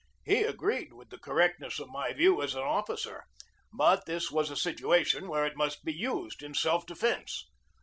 He agreed with the correctness of my view as an officer, but this was a situation where it must be used in self defence.